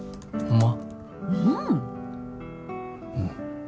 うん。